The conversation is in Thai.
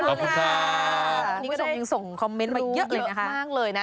นี่ก็ได้ส่งคอมเมนต์มาเยอะมากเลยนะ